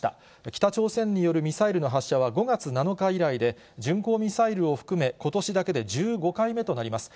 北朝鮮によるミサイルの発射は、５月７日以来で、巡航ミサイルを含め、ことしだけで１５回目となります。